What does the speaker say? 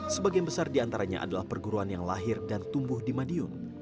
sebagian besar diantaranya adalah perguruan yang lahir dan tumbuh di madiun